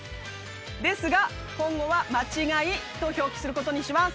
ですが今後は「間違い」と表記することにします。